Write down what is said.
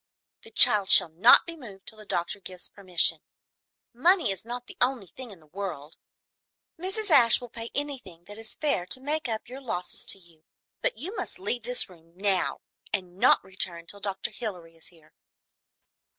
The child shall not be moved till the doctor gives permission. Money is not the only thing in the world! Mrs. Ashe will pay anything that is fair to make up your losses to you, but you must leave this room now, and not return till Dr. Hilary is here."